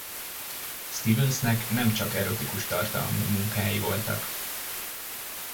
Stevens-nek nem csak erotikus tartalmú munkái voltak.